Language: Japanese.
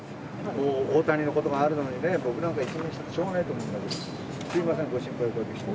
大谷のことがあるのにね、僕なんか一面にしたってしょうがないと思うんだけども。